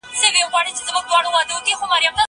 زه اوږده وخت نان خورم!!